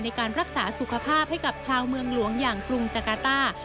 ในการรักษาสุขภาพให้กับชาวเมืองหลวงอย่างกรุงจากาต้า